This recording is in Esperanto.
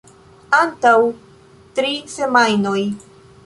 Antaŭ tri semajnoj.